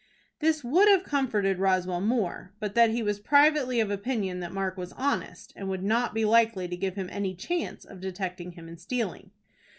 This would have comforted Roswell more, but that he was privately of opinion that Mark was honest, and would not be likely to give him any chance of detecting him in stealing.